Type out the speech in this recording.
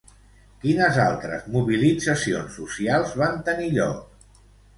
Quines altres mobilitzacions socials van tenir lloc?